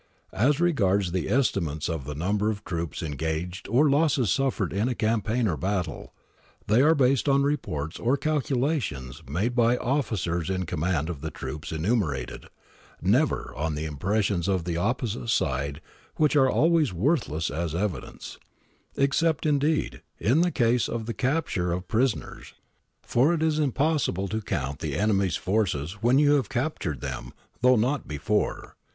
As regards the estimates of the number of troops en gaged or losses suffered in a campaign or battle, they are based on reports or calculations made by officers in com mand of the troops enumerated, never on the impressions of the opposite side which are always worthless as evi dence — except, indeed, in the case of the capture of pri soners, for it is possible to count the enemy's forces when you have captured them, though not before.